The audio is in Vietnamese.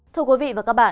thưa quý vị và các bạn